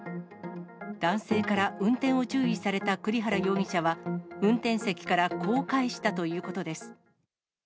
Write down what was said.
男性から運転を注意された栗原容疑者は、運転席からこう返したということです。